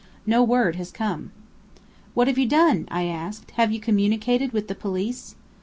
No word has come." "What have you done?" I asked. "Have you communicated with the police?"